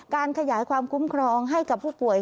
การขยายความคุ้มครองให้กับผู้ป่วย